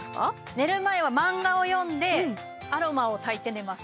寝る前は漫画を読んでアロマをたいて寝ます